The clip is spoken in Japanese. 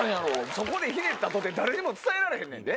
そこでひねったとて誰にも伝えられへんねんで？